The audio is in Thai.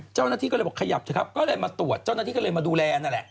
เจ้าหน้าที่ก็เลยบอกขยับเถอะครับก็เลยมาตรวจเจ้าหน้าที่ก็เลยมาดูแลนั่นแหละ